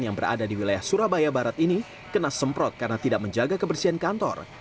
yang berada di wilayah surabaya barat ini kena semprot karena tidak menjaga kebersihan kantor